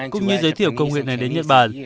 cũng như giới thiệu công nghệ này đến nhật bản